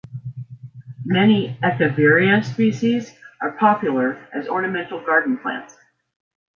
Many "Echeveria" species are popular as ornamental garden plants.